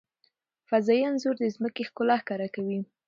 فضايي انځور د ځمکې ښکلا ښکاره کوي.